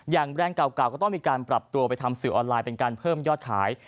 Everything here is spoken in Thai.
แบรนด์เก่าก็ต้องมีการปรับตัวไปทำสื่อออนไลน์เป็นการเพิ่มยอดขาย